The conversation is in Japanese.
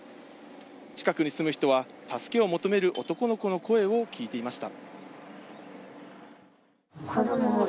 近くに住む人は助けを求める男の子の声を聞いていました。